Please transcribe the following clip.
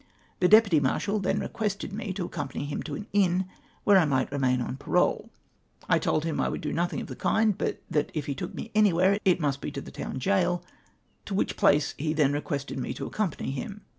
The deputy marshal then requested me to accom pany him to an inn, where I miglit remain on parole. I told him that I would do nothing of the land, but that if he took me anywhere it must be to the town gaol, to which place he then requested me to accom pany him.